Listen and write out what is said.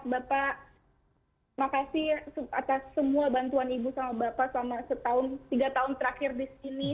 bapak makasih atas semua bantuan ibu sama bapak selama setahun tiga tahun terakhir di sini